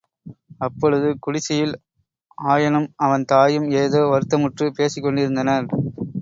அப்பொழுது குடிசையில் ஆயனும் அவன் தாயும் ஏதோ வருத்தமுற்றுப் பேசிக்கொண்டிருந்தனர்.